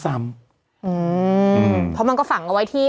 เพราะมันก็ฝังเอาไว้ที่